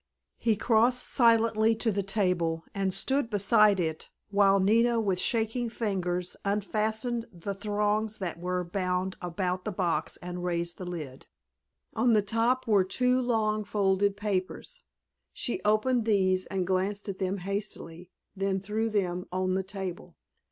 He crossed silently to the table and stood beside it while Nina with shaking fingers unfastened the thongs that were wound about the box and raised the lid. On the top were two long folded papers. She opened these and glanced at them hastily, then threw them on the table.